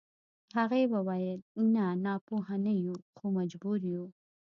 هغې وويل نه ناپوهه هم نه يو خو مجبور يو.